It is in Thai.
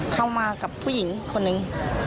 เข้ามากับผู้หญิงคนหนึ่ง